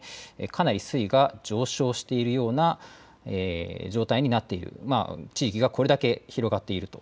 かなり水位が上昇してるような状態になってる地域がこれだけ広がっています。